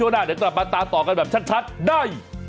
เดี๋ยวต่อมาตาต่อกันแบบชัดได้